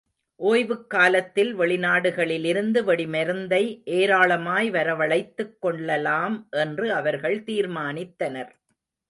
ஓய்வுக் காலத்தில் வெளிநாடுகளிலிருந்து வெடிமருந்தை ஏராளமாய் வரவழைத்துக் கொள்ளலாம் என்று அவர்கள் தீர்மானித்தனர்.